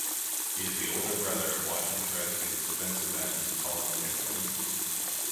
He is the older brother of Washington Redskins defensive end, Cullen Jenkins.